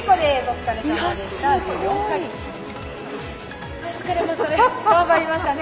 疲れましたね。